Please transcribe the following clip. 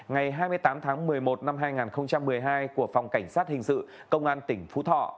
ngày hai mươi tám tháng một mươi một năm hai nghìn một mươi hai của phòng cảnh sát hình sự công an tỉnh phú thọ